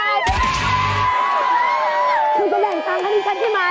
คุณจะแบ่งตังค์ให้ดิฉันใช่ไหม